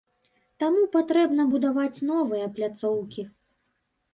Таму патрэбна будаваць новыя пляцоўкі.